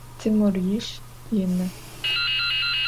Timur yişş yinı.